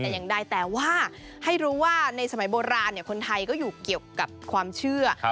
แต่อย่างใดแต่ว่าให้รู้ว่าในสมัยโบราณคนไทยก็อยู่เกี่ยวกับความเชื่อ